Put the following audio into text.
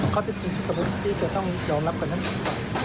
ข้อเท็จจริงที่จะต้องยอมรับกันนั้นก่อน